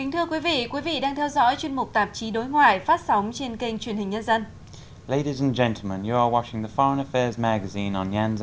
thưa quý vị quý vị đang theo dõi chuyên mục tạp chí đối ngoại phát sóng trên kênh truyền hình nhân dân